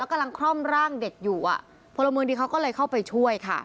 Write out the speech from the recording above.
กำลังคล่อมร่างเด็กอยู่อ่ะพลเมืองดีเขาก็เลยเข้าไปช่วยค่ะ